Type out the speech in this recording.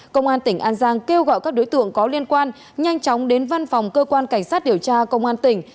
công an tỉnh an giang kêu gọi các đối tượng có liên quan nhanh chóng đến văn phòng cơ quan cảnh sát điều tra công an tỉnh